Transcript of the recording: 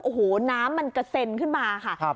โอ้โหน้ำมันเกษ็นขึ้นมาค่ะอ่า